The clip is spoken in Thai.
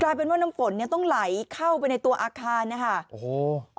เป็นว่าน้ำฝนเนี่ยต้องไหลเข้าไปในตัวอาคารนะคะโอ้โห